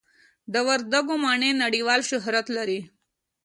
د وردګو مڼې نړیوال شهرت لري.